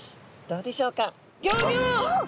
どうでしょうか。